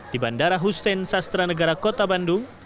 di bandara hussein sastra negara kota bandung